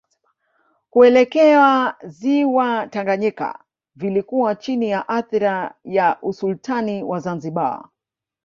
Kuelekea Ziwa Tanganyika vilikuwa chini ya athira ya Usultani wa Zanzibar